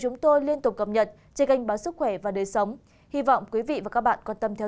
chúng tôi liên tục cập nhật trên kênh báo sức khỏe và đời sống hy vọng quý vị và các bạn quan tâm theo